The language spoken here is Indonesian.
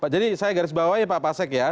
jadi saya garis bawah ya pak pasek ya